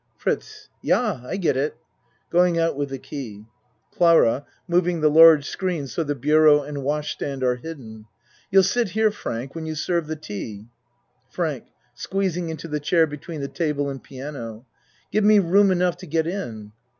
FRITZ Yah, I get it. (Going out with the key.) CLARA (Moving the large screen so the bureau and wash stand are hidden.) You'll sit here, Frank, when you serve the tea. FRANK (Squeezing into the chair between the table and piano.) Give me room enough to get in.